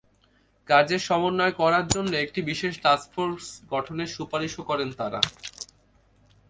কাজের সমন্বয় করার জন্য একটি বিশেষ টাস্কফোর্স গঠনের সুপারিশও করেন তাঁরা।